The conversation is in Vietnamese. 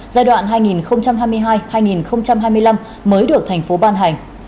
giai đoạn hai nghìn hai mươi hai hai nghìn hai mươi năm mới được thành phố ban hành